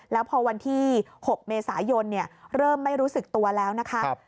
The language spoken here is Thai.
แล้วพอวันที่๖เมษายนเริ่มไม่รู้สึกตัวแล้วนะคะ